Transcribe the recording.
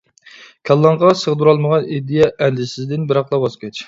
كاللاڭغا سىغدۇرالمىغان ئىدىيە ئەندىزىسىدىن بىراقلا ۋاز كەچ.